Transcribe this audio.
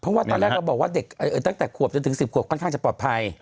เพราะว่าตอนแรกเราบอกว่าเด็กตั้งแต่ขวบจนถึง๑๐ขวบค่อนข้างจะปลอดภัย